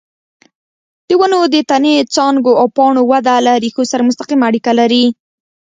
د ونو د تنې، څانګو او پاڼو وده له ریښو سره مستقیمه اړیکه لري.